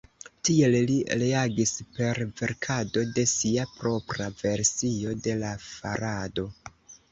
Tiel li reagis per verkado de sia propra versio de la farado.